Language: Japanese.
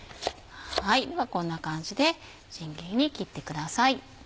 ではこんな感じでみじん切りに切ってください。